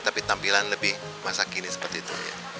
tapi tampilan lebih masa kini seperti itu